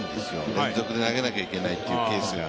全力で投げなきゃいけないというケースが。